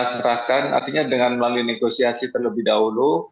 artinya dengan melalui negosiasi terlebih dahulu